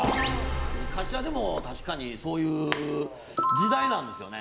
昔は、確かにそういう時代なんですよね。